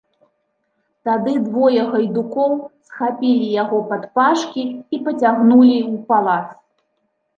Тады двое гайдукоў схапілі яго падпашкі і пацягнулі ў палац.